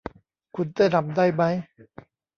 คุณเต้นรำได้มั้ย